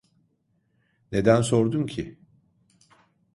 Neden sordun ki?